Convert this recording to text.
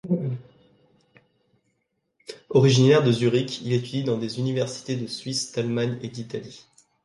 Originaire de Zurich, il étudie dans des universités de Suisse, d’Allemagne et d’Italie.